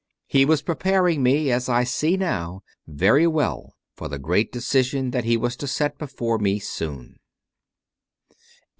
He was preparing me, as I see now very well, for the great decision that He was to set before me so soon.